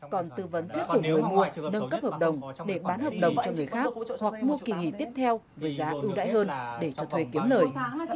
còn tư vấn thuyết phục người mua nâng cấp hợp đồng để bán hợp đồng cho người khác hoặc mua kỳ nghỉ tiếp theo với giá ưu đãi hơn để cho thuê kiếm lời